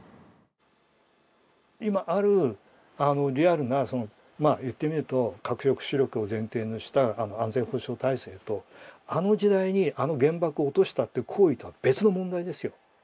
今あるリアルなまあ言ってみると核抑止力を前提にした安全保障体制とあの時代にあの原爆を落としたっていう行為とは別の問題ですよ。